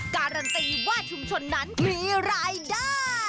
การันตีว่าชุมชนนั้นมีรายได้